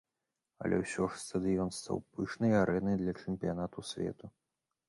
Але ўсё ж стадыён стаў пышнай арэнай для чэмпіянату свету.